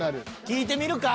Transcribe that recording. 聞いてみるか。